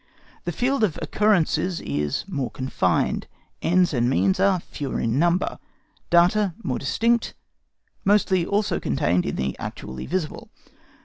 The field of occurrences is more confined. Ends and means are fewer in number. Data more distinct; mostly also contained in the actually visible.